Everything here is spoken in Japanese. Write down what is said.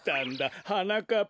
はなかっ